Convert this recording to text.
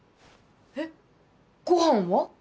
えっごはんは？